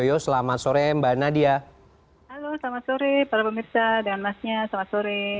halo selamat sore para pemirsa dan masnya selamat sore